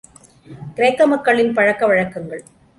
கிரேக்க மக்களின் பழக்க வழக்கங்கள்.